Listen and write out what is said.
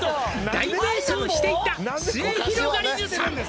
「大迷走していたすゑひろがりずさん」